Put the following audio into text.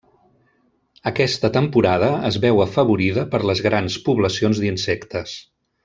Aquesta temporada es veu afavorida per les grans poblacions d'insectes.